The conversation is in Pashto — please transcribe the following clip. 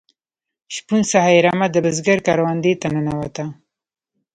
شپون څخه یې رمه د بزگر کروندې ته ننوته.